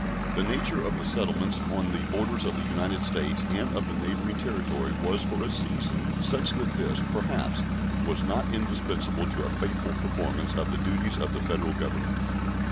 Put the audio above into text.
The nature of the settlements on the borders of the United States and of the neighboring territory was for a season such that this, perhaps, was not indispensable to a faithful performance of the duties of the Federal Government.